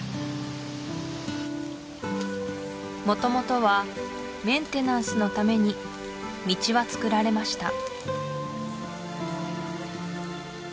もともとはメンテナンスのために道はつくられました